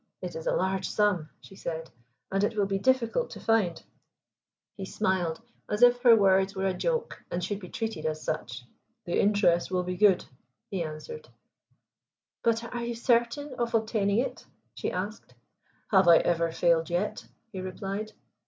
"It is a large sum," she said, "and it will be difficult to find." He smiled, as if her words were a joke and should be treated as such. "The interest will be good," he answered. "But are you certain of obtaining it?" she asked. "Have I ever failed yet?" he replied.